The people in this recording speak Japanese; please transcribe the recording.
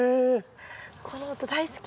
この音大好き。